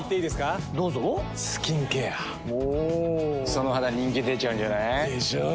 その肌人気出ちゃうんじゃない？でしょう。